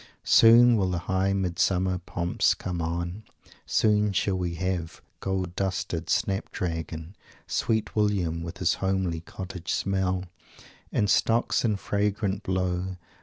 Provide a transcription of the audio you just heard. Soon will the high Midsummer pomps come on, Soon shall we have gold dusted Snapdragon, Sweet William with his homely cottage smell, And Stocks, in fragrant blow.